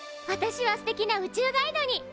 わたしは「すてきな宇宙ガイドに」！